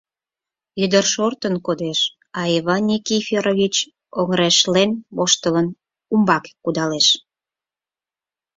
Ӱдыр шортын кодеш, а Иван Никифорович, оҥырешлен воштылын, умбаке кудалеш.